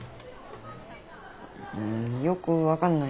ううんよく分かんない。